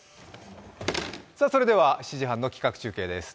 それでは７時半の企画中継です。